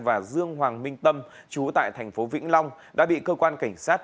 và dương hoàng minh tâm chú tại thành phố vĩnh long đã bị cơ quan cảnh sát